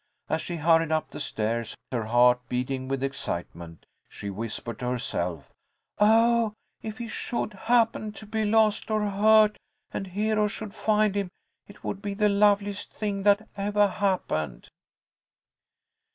As she hurried up the stairs, her heart beating with excitement, she whispered to herself, "Oh, if he should happen to be lost or hurt, and Hero should find him, it would be the loveliest thing that evah happened."